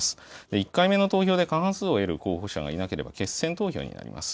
１回目の投票で過半数を得る候補者がいなければ決選投票になります。